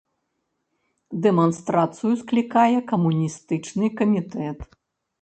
Дэманстрацыю склікае камуністычны камітэт.